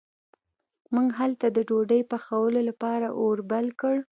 موږ هلته د ډوډۍ پخولو لپاره اور بل کړ.